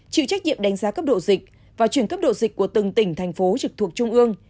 chịu trách nhiệm đánh giá cấp độ dịch và chuyển cấp độ dịch của từng tỉnh thành phố trực thuộc trung ương